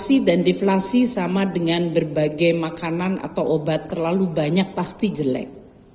inflasi dan deflasi sama dengan berbagai makanan atau obat terlalu banyak pasti jelek